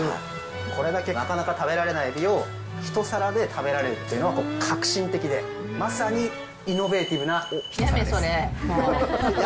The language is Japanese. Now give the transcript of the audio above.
これだけなかなか食べられないえびを１皿で食べられるというのは革新的で、まさにイノベーティブな一皿です。